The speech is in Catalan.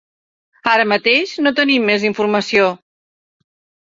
Ara mateix no tenim més informació.